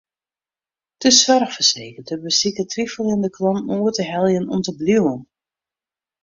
De soarchfersekerder besiket twiveljende klanten oer te heljen om te bliuwen.